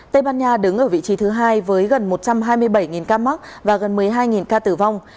tây ban nha đứng ở vị trí thứ hai với gần một trăm hai mươi bảy ca mắc và gần một mươi hai ca tử vong